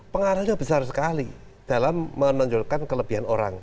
pengaruhnya besar sekali dalam menonjolkan kelebihan orang